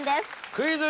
クイズ。